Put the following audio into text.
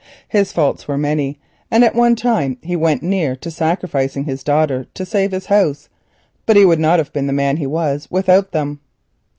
His faults were many, and at one time he went near to sacrificing his daughter to save his house, but he would not have been the man he was without them.